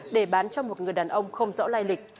để bán cho một người đàn ông không rõ lai lịch